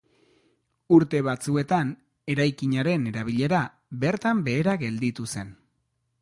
Urte batzuetan eraikinaren erabilera bertan-behera gelditu zen.